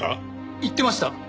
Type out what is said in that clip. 言ってました。